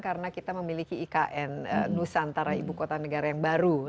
karena kita memiliki ikn nusantara ibu kota negara yang baru